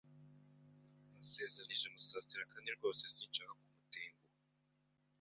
Nasezeranije Musasira kandi rwose sinshaka kumutenguha.